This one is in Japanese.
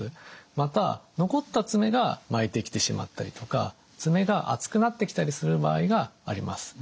また残った爪が巻いてきてしまったりとか爪が厚くなってきたりする場合があります。